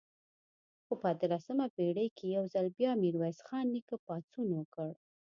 خو په اتلسمه پېړۍ کې یو ځل بیا میرویس خان نیکه پاڅون وکړ.